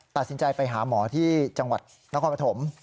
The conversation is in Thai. ตัดสินใจไปหาหมอที่จังหวัดนครปฐม